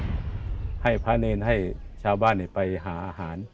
ก็ให้พระเนรให้ชาวบ้านไปหาอาหาร